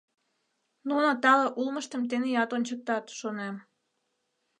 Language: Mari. Нуно тале улмыштым теният ончыктат, шонем.